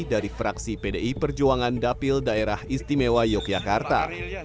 dari fraksi pdi perjuangan dapil daerah istimewa yogyakarta